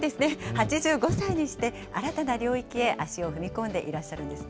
８５歳にして、新たな領域へ足を踏み込んでいらっしゃるんですね。